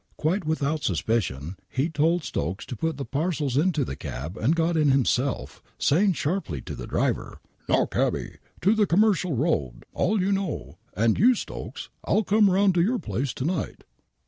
Quite without suspicion,, he told Stokes to put the parcels into the cab and got in himself, saying sharply to the driver: " Now, Cabby, to the Commercial Eoad ; all you know. And you, Stokes, I'll come round to your place to night."